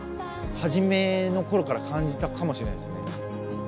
初めの頃から感じたかもしれないですね。